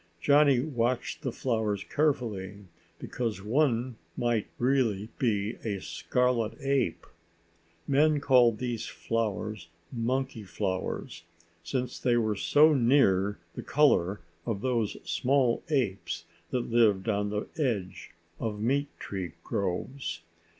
Johnny watched the flowers carefully because one might really be a scarlet ape. Men called these flowers monkey flowers since they were so near the color of those small apes that lived on the edge of meat tree groves.